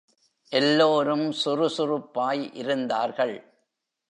எல்லோரும் சுறுசுறுப்பாய் இருந்தார்கள்.